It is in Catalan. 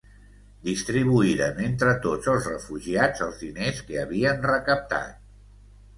Distribuïren entre tots els refugiats els diners que havien recaptat.